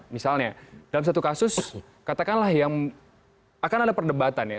misalnya dalam satu kasus katakanlah yang akan ada perdebatan ya